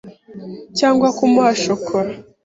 cyangwa kumuha shokora